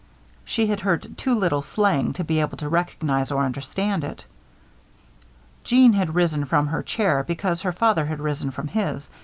She had heard too little slang to be able to recognize or understand it. Jeanne had risen from her chair because her father had risen from his.